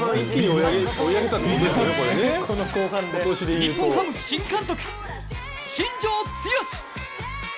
日本ハム新監督、新庄剛志！